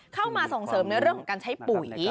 เข้ามาส่งเสริมในเรื่องของการใช้ปุ๋ย